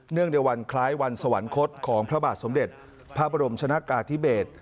ในวันคล้ายวันสวรรคตของพระบาทสมเด็จพระบรมชนะกาธิเบศ